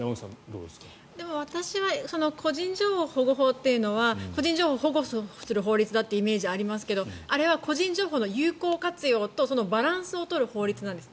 私は個人情報保護法は個人情報を保護する法律だというイメージがありますけどあれは個人情報の有効活用とそのバランスを取る法律なんです。